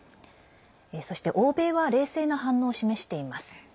そして、欧米は冷静な反応を示しています。